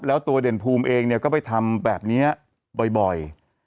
แล้วตัวเด่นภูมิเองเนี่ยก็ไปทำแบบนี้บ่อย